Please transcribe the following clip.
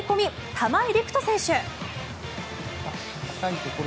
玉井陸斗選手。